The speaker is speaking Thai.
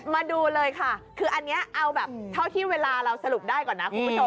มาดูเลยค่ะคืออันนี้เอาแบบเท่าที่เวลาเราสรุปได้ก่อนนะคุณผู้ชม